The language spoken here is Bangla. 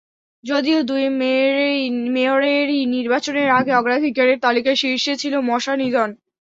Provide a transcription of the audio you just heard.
যদিও দুই মেয়রেরই নির্বাচনের আগে অগ্রাধিকারের তালিকার শীর্ষে ছিল মশা নিধন।